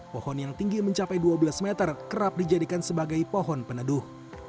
pohon yang tinggi mencapai dua belas meter kerap dijadikan sebagai pohon peneduh